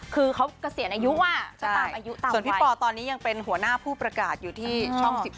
คือเขาเกษียณอายุอ่ะก็ตามอายุตามส่วนพี่ปอตอนนี้ยังเป็นหัวหน้าผู้ประกาศอยู่ที่ช่อง๑๒